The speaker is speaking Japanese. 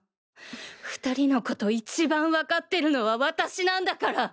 ２人の事一番わかってるのは私なんだから。